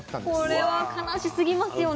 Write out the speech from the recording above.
これは悲しすぎますよね。